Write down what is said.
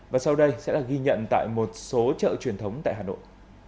và sau đây sẽ là ghi nhận tại một số chợ truyền thống tại hà nội